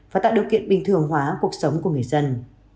và tạo điều kiện bình thường hóa cuộc sống của người dân